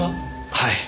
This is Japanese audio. はい。